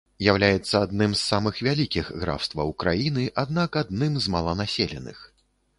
З'яўляецца адным з самых вялікіх графстваў краіны, аднак адным з маланаселеных.